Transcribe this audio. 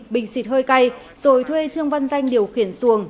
bình xịt hơi cay rồi thuê trương văn danh điều khiển xuồng